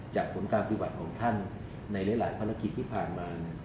ผลการปฏิบัติของท่านในหลายภารกิจที่ผ่านมา